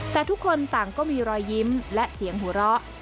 แต่ทุกคนต่างก็มีรอยยิ้มและเสียงหัวเราะ